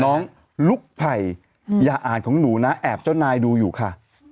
น้องลุกไผ่อย่าอ่านของหนูนะแอบเจ้านายดูอยู่ค่ะ